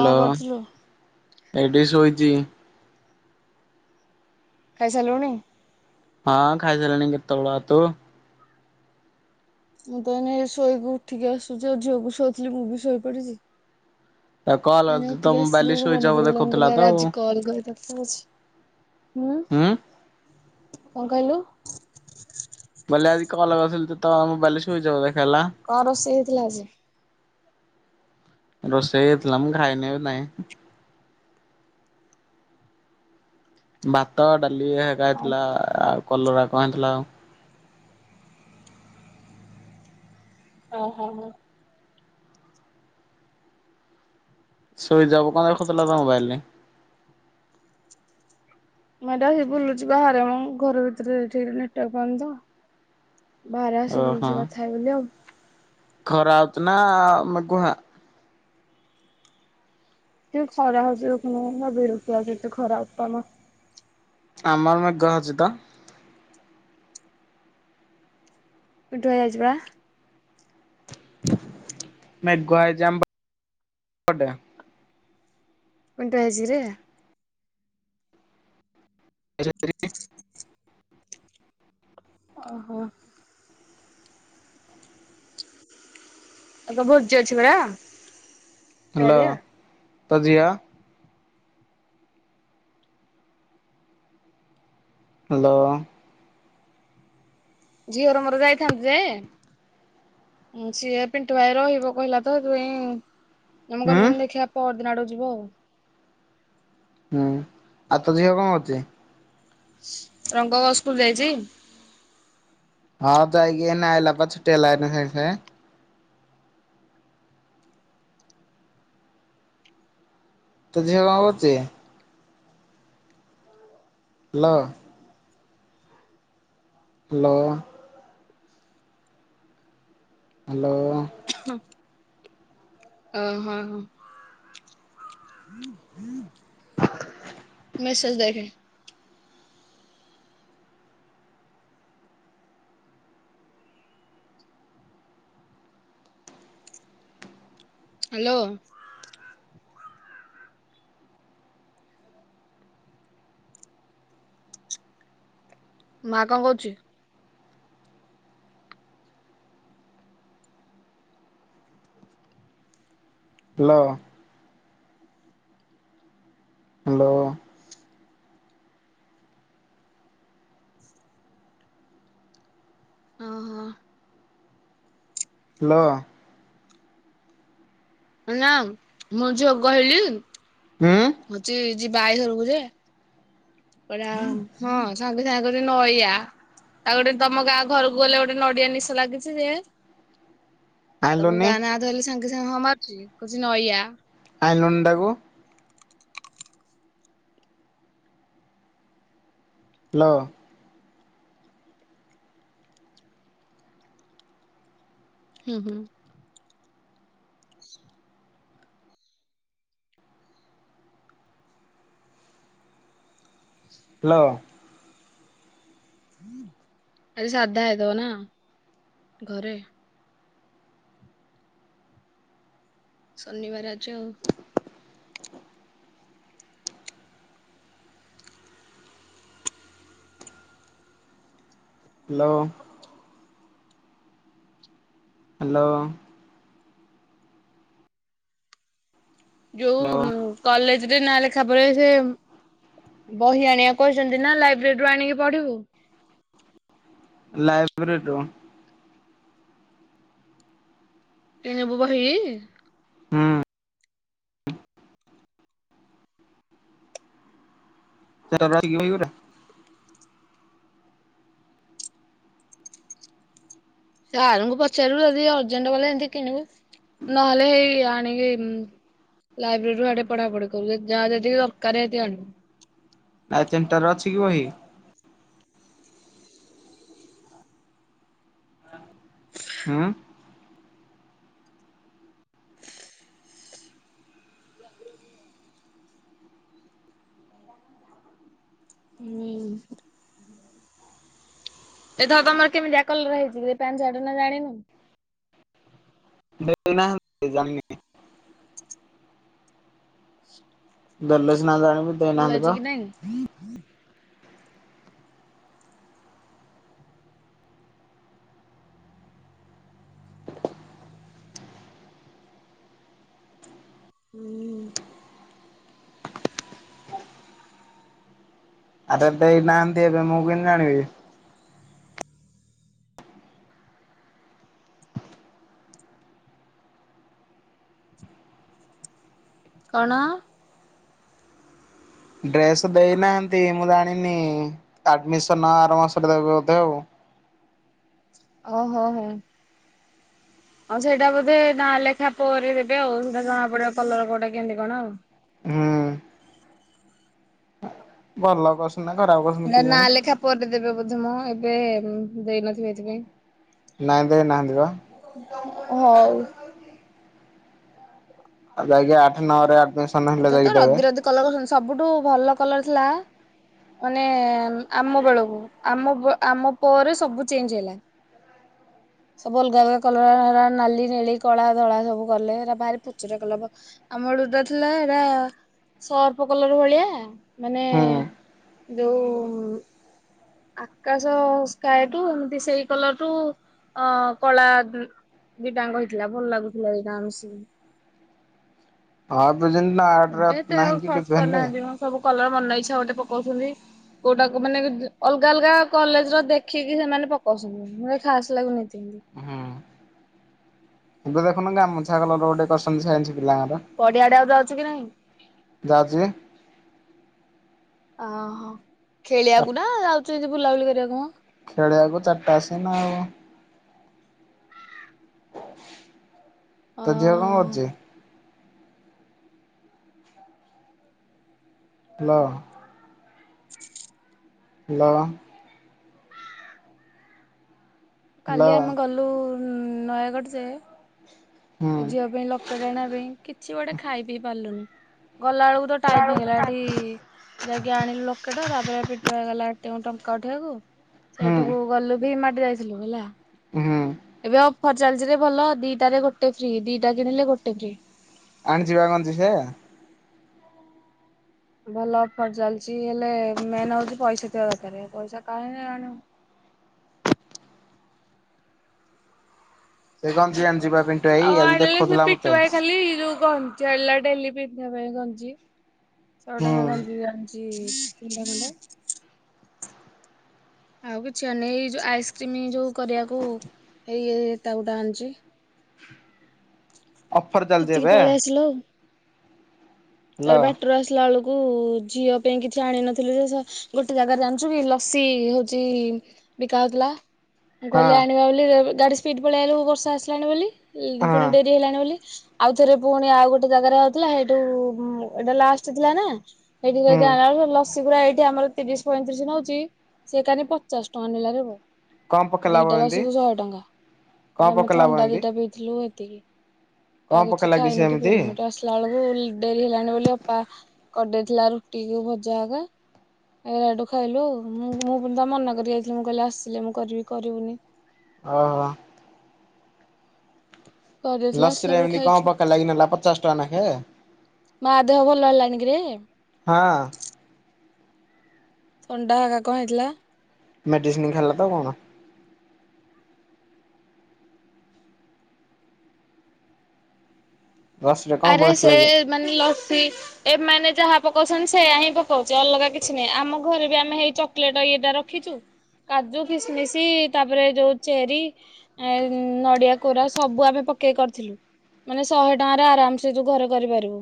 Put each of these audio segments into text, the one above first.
Hello କରୁଥିଲୁ ଏଠି ଶୋଇଛି। ଖାଇ ସାରିଲୁଣି? ହଁ ଖାଇସାରିଲିଣି କେତେବେଳୁ ତୁ? ମୁଁ ତ ଏନେ ଶୋଇକୁ ଉଠିକି ଆସୁଛି ଆଉ ଝିଅକୁ ଶୋଇଉଥିଲି ମୁଁ ବି ଶୋଇ ପଡିଛି। ଆଉ କଲ ଏଇନେ ତ ଉଠିକି ମୋବାଇଲ ଆସିଲି ମୋର ସୁଇଚ ମନେ ଅଫ୍ ପଡିଗଲା ମୁଁ ଦେଖଉଥିଲା କହିଲି ତ ଆରେ ଆଉ ଆଜି କଲ୍ [unintelligible] ହୁଁ। କଣ କହିଲୁ? ବଲେ ଆଜି କଲ୍ ଲଗଉଥିଲି ତତୋ ମୋବାଇଲ୍ ସୁଇଜି ଅଫ୍ ଦେଖେଇଲା। କଣ ରୋଷେଇ ହେଇଥିଲା ଆଜି? ରୋଷେଇ ହେଇଥିଲା ମୁଁ ଖାଇ ନି ବି ନାଇଁ। ଭାତ ଡାଲି ହେକା ଓ ହେଇଥିଲା ଆଉ କଲରା କଣ ହେଇଥିଲା ଆଉ। ଓହୋ ହୋ। ସୁଇଜି ଅଫ୍ କଣ ଦେଖୋଉଥିଲା ତୋ ମୋବାଇଲ୍? ମୁଁ ଏଟା ହେ ବୁଲୁଚି ବାହାରେ ମ ଘର ଭିତରେ ଠିକ୍ ନେଟୱର୍କ ପାଉନି ତ। ବାହାର ଆସି ଓହୋ ବଲୁଛି କଥା ହେବି ବୋଲି ଆଉ। ଖରା ଆଉଛି ନା ଆମେ ମେଗୁହା ଯୋଙ ଖରା ହଉଛି ଦେଖୁନୁ ବିରକ୍ତି ହୋଉଛି ଏତେ ଖରା ବୋପା ମା। ଆମର ମେଘୁଆ ଅଛି ତ। ପିଣ୍ଟୁ ଭାଇ ଆଇଚି ବା? ମେଘୁଆ ହେଇଚି ଆମ ପ ପଟେ। ପିଣ୍ଟୁଆ ଆଇଚି କିରେ। [unintelligible] ଓହୋ। ଆଉ ତ ଭୋଜି ଅଛି ପରା ହ୍ୟାଲୋ [unintelligible] ତୋ ଝିଅ? ହ୍ୟାଲୋ। ଝିଅର ମୋର ଯାଇଥାନ୍ତୁ ଯେ ସିଏ ପିଣ୍ଟୁ ଭାଇ ରହିବ କହିଲା ତ ସେଥିପାଇଁ ଆମେ ହୁଁ କହିଲୁ ଦେଖିଆ ପଅର ଦିନ ଆଡକୁ ଯିବ ଆଉ। ହୁଁ ଆ ତ ଝିଅ କଣ ଅଛି। ରଙ୍ଗବ ସ୍କୁଲ ଯାଇଚି। ହଁ ଯାଇକି ଏନା ଆଇଲା ପା ଛୁଟି ହେଲା ସାଙ୍ଗେ ସାଙ୍ଗେ। ତୋ ଝିଅ କଣ କରୁଚି? ହାଲୋ। ହାଲୋ। ହାଲୋ। ଅ ହଁ ହଁ। ମେସେଜେ ଦେଖେ। ହାଲୋ। ମା କଣ କହୁଛି? ହାଲୋ। ହାଲୋ। ଓ ହଁ। ହାଲୋ। ନା ମୁଁ ଝିଅ କହି ହୁଁ। ହଉଛି ଯିବା ଆଇ ଘରକୁ ଯେ। କହିଲା ହଁ ସାଙ୍ଗେ ସା ଗୋଟେ ନଇଆ ତାଉ ଗୋଟେ ତମ ଗାଁ ଘରକୁ ଗଲେ ଗୋଟେ ନଡିଆ ନିଶ ଲାଗିଛି ଯେ ତମ ଆଣିଲୁନି ଗାଁ ନାଁ ଧଇଲେ ସାଙ୍ଗେ ସାଙ୍ଗେ ହଁ ମାରୁଛି କହୁଛି ନଇଆ। ଆଇଲୁନୁ ତାକୁ। ହାଲୋ। ହୁଁ ହୁଁ। ହାଲୋ। ଆଜି ସାଧା ହେଇଥିବ ନା ଘରେ। ଶନିବାରେ ଆଜି ଆଉ। ହାଲୋ। ହାଲୋ। ହ୍ୟାଲୋ ଯୋଉ କଲେଜରେ ନା ଲେଖା ବଳେ ସେ ବହି ଆଣିବା କହିଛନ୍ତି ନା ଲାଇବ୍ରେରୀରୁୁ ଆଣିକି ପଢିବୁ। ଲାଇବ୍ରେରୀରୁ। କିଣିବୁ ବହି? ହୁଁ। ତାର ରହି ଏଇଗୁରା। ସାରଙ୍କୁ ପଚାରିବୁ ଯଦି ଅର୍ଜେଣ୍ଟ ବଲେ ଏମିତି କିଣିବୁ ନହେଲେ ହେଇ ଆଣିକି ଲାଇବ୍ରେରୀରୁ ଆଡେ ପଢା ପଢି କରିବୁ ଯାହା ଯେତିକି ଦରକାରେ ସେତିକି ଆଣିବୁ। ଆ ଚେଣ୍ଟାର ଅଛି କି ବହି? ହୁଁ। ହୁଁ। ଏଥର ତମର କେମିତିଆ କଲର ହେଇଛି କି ପେଣ୍ଟ, ସାଟେ ନା ଜାଣିନୁ? ଦେ ନା ଜାିଲ [unintelligible] ଦେଲେ ସିନା ଜାଣିବୁ। ଭଲ ଦେଇନାହାନ୍ତି ପା ହେଇଛି କି ନାଇଁ। ହୁଁ! ଆରେ ଦେଇ ନାହାନ୍ତି, ଏବେ ମୁଁ କେମତି ଜାଣିବି? କଣ? ଡ୍ରେସ ଦେଇନାହାନ୍ତି, ମୁଁ ଜାଣିନି ଆଡମିସନ ଆର ମାସରେ ଦେବେ ବୋଧେ ଆଉ। ଓହୋ! ହୋ! [inaudible] ଆଉ, ସେଇଟା ବୋଧେ ନା ଲେଖା ପରେ ଦେବେ, ଆଉ ସେଟା ଜଣା ପଡିବ କଲର କୋଉଟା କେମିତି କଣ ଆଉ। ହୁଁ! ଭଲ କଷ୍ଟ ନା ଖରାବ। ହେ ନା ଲେଖା ପରେ ଦେବେ ବୋଧମ ଏବେ ଦେଇନଥିବି ଏଥିପାଇଁ। ନାାଇଁ ନାହାନ୍ତି ବା। ହଉ। ଆଉ ଯାଇଞା ଆଠ ନଅ ରେ ଆ। ଏଥ ତ ରଦିରଦି କଲର କରଛନ୍ତି ସବୁଠୁ ଭଲ କଲର ଥିଲା। ମାନେ ଆମ ବେଳକୁ ଆମ ଆମ ପରେ ସବୁ ଚେଞ୍ଜ ହେଇଲା। [inaudible] ସବୁ ଅଲଗା ଅଲଗା କଲର ନାଲି ନେଳି କଳା ଧଳା ସବୁ କଲେ ଭାରି ଫୁଚୁରା କଲ। ଆମ ରୁଦା ଥିଲା ଏଇଟା ସର୍ପ କଲର ଭଳିଆ ମାନେ। ହୁଁ ଯୋ ଆକାଶ ସ୍କାଏ ଟୁ ଏମିତି ସେଇ କଲର ଟୁ। ଅ କଳା ଦିଟାଙ୍କ ହେଇଥିଲା ଭଲ ଲାଗୁଥିଲା ଏଟା ଆ ସ। ହଁ ଏବେ ଯେମିତି ନା ଆଡ ଏବେ ଏତେ ଆଉ ନାହିଁକ ଖର୍ଚ୍ଚ ଟିଫେନ ରେ। କରିନାହାନ୍ତି ମ ସବୁ କଲର ମନ ଇଚ୍ଛା ଗୋଟେ ପକଉଛନ୍ତି। କୋଉଟାକୁ ମାନେ ଅଲଗା ଅଲଗା କଲେଜ ର ଦେଖିକି ସେମାନେ ପକାଉଛନ୍ତି। ମୋ ଖାସ୍ ଲାଗୁନିତି ଏମିତି। ହୁଁ ଏବେ ଦେଖୁନୁ ଗାମୁଛା କଲର ଗୋଟେ କରଛନ୍ତି ସେଛି ପିଲାଙ୍କର। ପଡିଆଡଆକୁ ଯାଉଛି କି ନାହିଁ। ଦାଜିି। ଓହୋ ଚା ଖେଳିବାକୁ ନା ଯାଉଛ ଏମି ବୁଲାବୁଲି କରିବାକୁ କଣ। ଖେଳିବାକୁ ଚାରିଟା ଆସେନା ଆଉ। ତ ଝିଅ କଣ କରୁଛି। ଅହୋ ହ୍ୟାଲୋ ହ୍ୟାଲୋ। ହାଲୋ କାଲି ଆମେ ଗଲୁ ନୟାଗଡ଼ ଯେ। ହୁଁ ଏ ଝିଅ ପାଇଁ ଲୋକେ ଟାଣିବା ପାଇଁ କିଛି ଗୋଟେ ଖାଇ ପିଇ ପାରିଲୁନି ଗଲାବେେଳକୁ। ତ ଟାଇପ ହେଇଗଲା ଏଠି। ଯାଇକି ଆଣିଲୁ ଲୋକେଟ ତାପରେ ପିଟ ହେଇଗଲା ଏତେ ଟଙ୍କା ଉଠେଇବାକୁ ହୁଁ ସେଇଠିକୁ ଗଲୁ। ଦି ମାଟି ଯାଇଥିଲୁ ହେଲା। ହୁଁ ଏବେ ଅଫର ଚାଲିଜ ରେ ଭଲ ଦିଟ ରେ ଗୋଟେ ଫ୍ରି ଦିଟା କିଣିଲେ ଗୋଟେ ଫ୍ରି। ଆଣିଛିିବା କହି ସେ। ଭଲ ଅଫର ଚାଲିଛି ହେଲେ ମେନ୍ ହଉଛି ପଇସା ଥିବା ଦରକାର ପଇସା କାହିଁି ଆଣିବ। ସେ। ଗଞ୍ଜିଆଣି ହ ଯିବା ପିଣ୍ଟୁ ଭାଇ ଆଜି ଆଇଲାବେଳେ ସେ ଦେଖଉଥିଲା ମତେ ପିଟୁଆ ଖାଲି ରଉ କନ। ଚେଲା ଡେଲି ପିନ୍ଧିବା ପାଇଁ କଜି ଛହ ହୁଁ ଟଙ୍କା କ୍ଜି ଜାଉଛି। ଣ୍ଡାଣ୍ଡା। ଆଉ କିଛି ଆଣନି ଏଇ ଯୋଉ ଆଇସ୍କ୍ରିମ ଯୋଉ କରିବାକୁ ଏଇ ତା ଗୋଟେ ଆଣିଛି। ଅଫର ଚାଲିଛି ଏବେ। ହ୍ୟାଲ୍। ହ୍ୟାଲୋ ସାର ବ୍ୟାଟର ଆସିଲ ଆଳୁ। କୁ ଝିଅ ପାଇଁ କିଛି ଆଣ ନଥିଲୁ ଯେ ଗୋଟେ ଜାଗାରେ ଜାଣିଛୁ କି ଲସି ହଉଛି। ବିକାଜଲା। ମୁଁ ହଁ କହିଲେ ଆଣିବା ବୋଲି ଗାଡି ସ୍ପି ପଳେଇ ବ ବର୍ଷା ଆସିଲାଣି ବୋଲି ହଁ ପୁଣି ଡେରି। ହେଇଲାଣି ବୋଲି ଆଉ ଥରେ ପୁଣି ଆଉ ଗୋଟେ ଜାଗାରେ ହଉଥିଲା ସେଇଠୁ। ହୁଁ ଏଇଟା ଲାଷ୍ଟ ଥିଲା ନା ସେଇଠି ହୁଁ ଯ ଆ ବ। ଶଗୁରା ଏଇଠି ଆମର ତିରିଶ ପଇଁତିରିଶ ନଉଛି ସେ କାନ ପଚାଶ ଟଙ୍କା ନେଲା ରିବ। କଣ ପକେଇଲା ଦିଟା ବ ଏମିତି ରସିବୁ ଶହେ ଟଙ୍କା କଣ ଏଟା ଆମେ ପକେଇଲା ବ ଥଣ୍ଡା ଏମିତି ଦିଟା ପିଇ। ଥିଲୁ ଏତିକି କଣ ଆଉ କିଛି ପକେଇଲା ସେ ଖାଇନୁ କି ଏମିତି ପିଇନୁ ଆସ। ଲା ବେଳକୁ ଡେରି ହେଲାଣି ବୋଲି ଅପା କରିଦେଇଥିଲା ରୁଟିକୁ, ଭଜା ଆଗ। ଏରାଡୁ ଖାଇଲୁ ଆଉ ମୁ ମୁଁ ତା ମନାକ ଯାଇଥିଲି ମୁଁ କହିଲି ଆସିଲି ମୁଁ କରିବି କରିବୁନି। ହଁ ହୋ। କରିଦେଇଥିଲା ଆସିଲା ଲସିରେ ପରେ ଏମିତି କଣ ଖାଇଛୁ। ପକାଇଲାକି ନେଲା ପଚାଶ ଟଙ୍କା ନେଖେ। ମା ଦେହ ଭଲ ହେଲାଣିିକରେ। ହଁ। ଥଣ୍ଡା ହୋ କଣ ହେଇଥିଲା। ମେଡିସିନ ଖାଇଲା ତ କଣ। ଲସିରେ କଣ ଆରେ ସେ ପକେଇଥିଲା କି ମାନେ ଲସି। ଏମାନେ ଯାହା ପକଉଛନ୍ତି ସେୟଆ ହିଁ ପକଉଛି ଅଲଗା କିଛି ନାହିଁ ଆମ ଘରେ ବି ଆମେ ହେଇ ଚକୋଲେଟ ଇଟା ର। ରଖିଚୁ କାଜୁ, ଖମିଶି, ତାପରେ ଯୋଉ ଚେରି। ଏ ନଡିଆ କୋରା ସବୁ ଆମେ ପକେଇ କରିଥିଲୁ ମାନେ ଶହେ ଟଙ୍କା। ଆରାମୁ ଘରେ କରିପାରିବୁ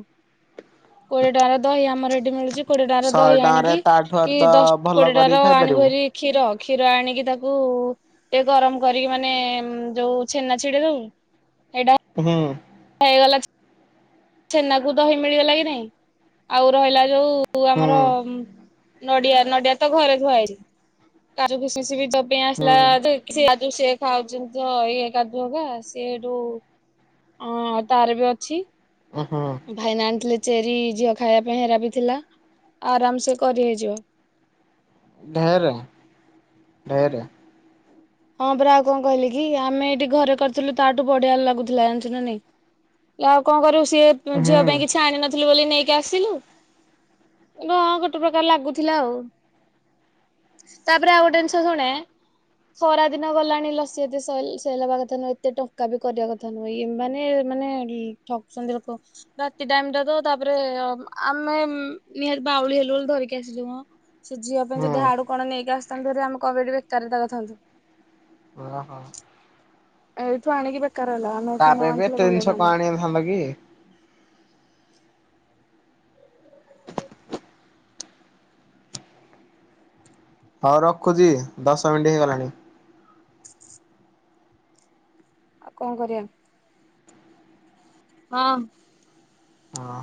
କୋଡିଏ ଟଙ୍କାର ଦହି ଆମର ଏଠି ମିଳୁଛି। କୋଡିଏଟା ର ଶହେ ଦହି ଟଙ୍କାରେ ଆଣିକି ତାଠୁ କି ଆହୁରି ତ ଦଶ ଭଲ କୋଡିଏଟ ର କରିକି ଆଣି ଖାଇପାରିବୁ ଭରି। କ୍ଷୀର କ୍ଷୀର ଆଣିକି ତାକୁ। ଟେ ଗରମ କରିକି ମାନେ ଯୋଉ ଛେନା ଛିଡ ଦଉ। ହୁଁ। ହେଇଗଲା। ଛନାକୁ ଦହି ମିଳିଗଲା କି ନାଇଁ ଆଉ ରହିଲା ଯୋଉ ହୁଁ ଆମର। ନଡିଆ ନଡିଆ ତ ଘରେ ଧୁଆ ହେଇଛି କା କିମସି ବି ଯୋ ପାଇଁ ଆସିଲା। ହୁଁ ସେ ଯ ସେି ଖାଉଛନ୍ତି ତ ଏଇଏ କାଦୁଅଗା ସେଠୁ। ଅଁ ଆଉ ତାର ବି ଅଛି। ଓହୋ। ଭାଇନା ଆଣିଥିଲେ ଚେରି ଝିଅ ଖାଇବା ପାଇଁ ହେରାପ ଥିଲା ଆରାମ ସେ କରି ହେଇଯିବ। ଢେର ଢେର। ହଁ ବରାା କଣ କହିଲି କି ଆମେ ଏଇଠି ଘରେ କରିଥିଲୁ ତାଠୁ ବଢିଆ ଲାଗୁଥିଲା ଜାଣିଛୁ ନା ନାଇଁ। ଆଉ କଣ କରିବୁ ସିଏ ହୁଁ ଝିଅ ପାଇଁ କିଛି ଆଣିନ। ଥିଲୁ ବୋଲି ନେଇକି ଆସିଲୁ ଏଇଟା ଗୋଟେ ପ୍ରକାର ଲାଗୁଥିଲା ଆଉ। ତାପରେ ଆଉଗୋଟେ ଜିନିଷ ଶୁଣେ ସରା ଦିନ ଗଲାଣି ଲସି ଏତେ ସେ ସେଲ୍ ହବା କଥା ନୁହେଁ ଏତେ ଟଙ୍କା ବି କରିବା କଥା ନୁହେ ଏ ମାନେ ମାନେ ଠକୁଛନ୍ତି ଲୋକ। ରାତି ଟାଇମ ଟା ତ ତାପରେ ଆମେ ନିହାତି ବାଉଳି ହେଲୁ ବୋଲି ଧରିକି ଆସିଲୁ ମ। ସେ ଝିଅ ପାଇଁ ହୁଁ ଯଦି ହାଡୁ କଣ ନେଇକି ଆସଥାନ୍ତୁ ହେରୀ ଆମେ କ ପାଇ ବେକାରୀତା କରିଥାନ୍ତୁ। ଉହଁ। ଏଇଠୁ ଆଣିକି ବେକାରହେଲା। ତା ପାଇଁ ବି ଏତେ ଜିନିଷ କ ଆଣିଥାନ୍ତ କି? ହଉ ରଖୁଛି ଦଶ ମିନିଟ୍ ହେଇଗଲାଣି। [inaudible] ଆଉ କ କରିବା? ମାମ୍ ହଁ।